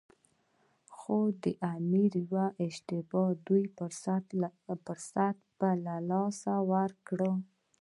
خو د امیر یوې اشتباه دوی ته فرصت په لاس ورکړ.